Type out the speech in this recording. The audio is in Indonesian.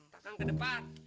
tangan ke depan